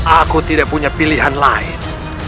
aku tidak punya pilihan lain